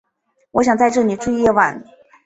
我想在这里住一晚